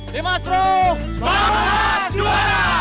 tim aspro selamat juara